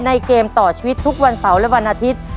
เกมต่อชีวิตทุกวันเสาร์และวันอาทิตย์